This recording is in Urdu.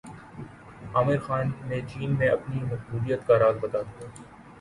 عامر خان نے چین میں اپنی مقبولیت کا راز بتادیا